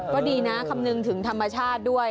ก็ดีนะคำนึงถึงธรรมชาติด้วย